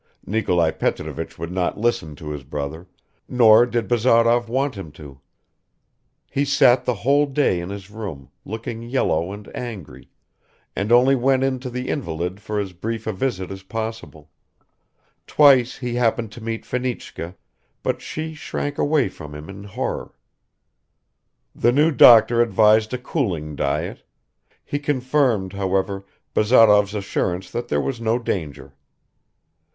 (Nikolai Petrovich would not listen to his brother, nor did Bazarov want him to; he sat the whole day in his room, looking yellow and angry, and only went in to the invalid for as brief a visit as possible; twice he happened to meet Fenichka, but she shrank away from him in horror.) The new doctor advised a cooling diet; he confirmed, however, Bazarov's assurance that there was no danger.